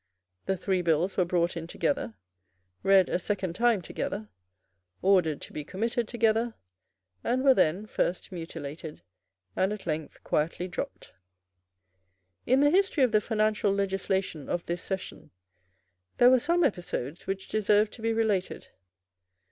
The three bills were brought in together, read a second time together, ordered to be committed together, and were then, first mutilated, and at length quietly dropped. In the history of the financial legislation of this session, there were some episodes which deserve to be related.